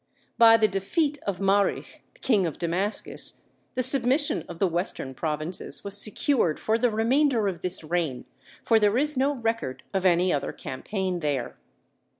By the defeat of Marih, king of Damascus, the submission of the western provinces was secured for the remainder of this reign, for there is no record of any other campaign there.